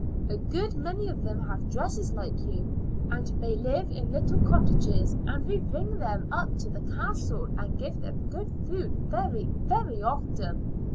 A good many of them have dresses like you; and they live in little cottages, and we bring them up to the castle and give them good food very, very often.